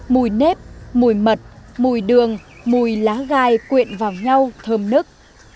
mùi nếp mùi mật mùi đường mùi lá gai quyện vào nhau thơm nức